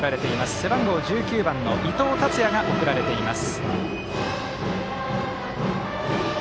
背番号１９番、伊藤達也が送られています。